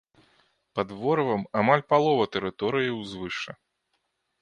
Пад ворывам амаль палова тэрыторыі ўзвышша.